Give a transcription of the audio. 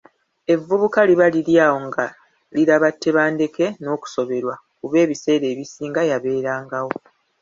Evvubuka liba liri awo nga liraba Tebandeke n’okusoberwa kuba ebiseera ebisinga yabeerangawo.